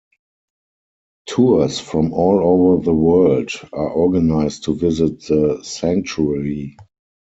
Tours from all over the world are organized to visit the Sanctuary.